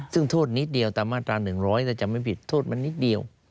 ซึ่งโทษนิดเดียวตามมาตรา๑๐๐ถ้าจำไม่ผิดโทษมันนิดเดียว